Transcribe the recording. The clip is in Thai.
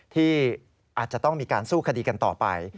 ที่อาจจะต้องมีการสู้คดีกันต่อไป